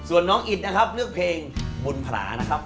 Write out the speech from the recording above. ส่วนน้องอิดนะครับเลือกเพลงบุญผานะครับ